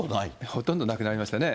ほとんどなくなりましたね。